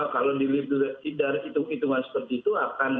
kalau dilihat dari hitung hitungan seperti itu akan